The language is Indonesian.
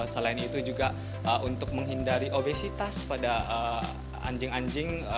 selain itu juga untuk menghindari obesitas pada anjing anjing